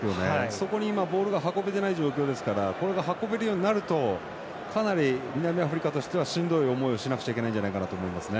そこにボールが運べていない状況ですからこれが運べるようになるとかなり南アフリカとしてはしんどい思いをしなくてはいけないと思いますね。